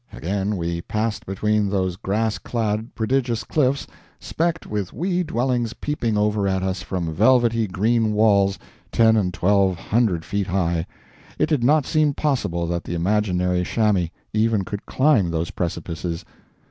Again we passed between those grass clad prodigious cliffs, specked with wee dwellings peeping over at us from velvety green walls ten and twelve hundred feet high. It did not seem possible that the imaginary chamois even could climb those precipices.